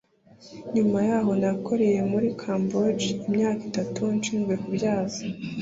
nyuma y'aho nakoreye muri cambodge imyaka itatu nshinzwe kubyaza